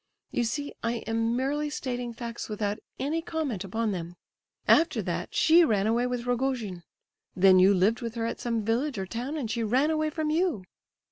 You see, I am merely stating facts without any comment upon them. After that she ran away with Rogojin. Then you lived with her at some village or town, and she ran away from you."